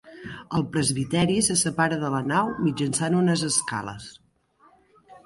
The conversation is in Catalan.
El presbiteri se separa de la nau mitjançant unes escales.